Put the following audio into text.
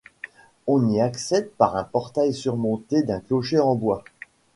On y accède par un portail surmonté d'un clocher en bois.